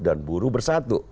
dan buruh bersatu